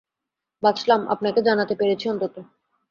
বাঁচলাম, আপনাকে জানাতে পেরেছি অন্তত।